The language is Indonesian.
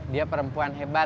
dia perempuan hebat